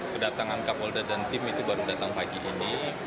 kedatangan kapolda dan tim itu baru datang pagi ini